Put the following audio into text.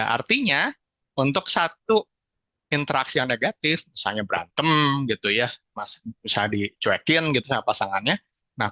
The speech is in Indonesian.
artinya untuk satu interaksi yang negatif misalnya berantem misalnya dicuekin pasangannya